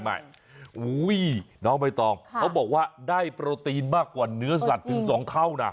น้องใบตองเขาบอกว่าได้โปรตีนมากกว่าเนื้อสัตว์ถึง๒เท่านะ